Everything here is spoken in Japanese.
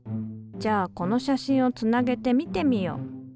じゃあこの写真をつなげて見てみよう。